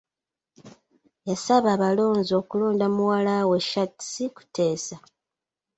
Yasaba abalonzi okulonda muwala we Shartsi Kuteesa.